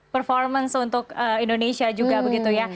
performance untuk indonesia juga begitu ya